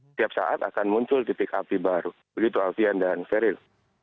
setiap saat akan muncul titik api baru begitu alfian dan sheryl